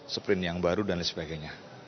seprin yang baru dan sebagainya